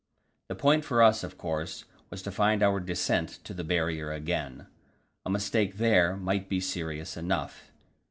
The point for us, of course, was to find our descent on to the Barrier again a mistake there might be serious enough.